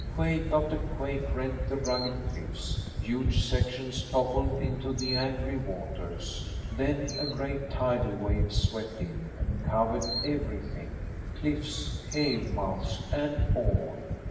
Quake after quake rent the rugged cliffs: huge sections toppled into the angry waters. Then a great tidal wave swept in and covered everything, cliffs, cave mouths and all.